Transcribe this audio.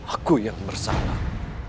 aku yang bersalah